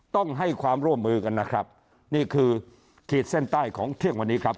ต้องให้ความร่วมมือกันนะครับนี่คือขีดเส้นใต้ของเที่ยงวันนี้ครับ